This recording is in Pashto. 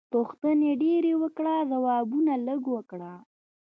پوښتنې ډېرې وکړه ځوابونه لږ ورکړه.